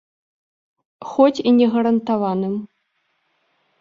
Хоць і не гарантаваным.